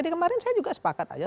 di kemarin saya juga sepakat aja